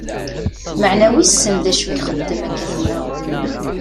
Maɛna wissen d acu i ixeddem akka tura.